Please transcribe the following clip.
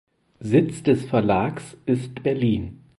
Sitz des Verlags ist Berlin.